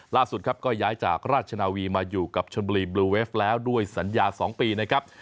ล่าสุดครับก็ย้ายจากราชนาวีมาอยู่กับชนบุรีบลูเวฟแล้วด้วยสัญญา๒ปีนะครับ